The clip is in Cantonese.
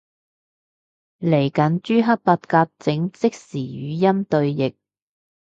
嚟緊朱克伯格整即時語音對譯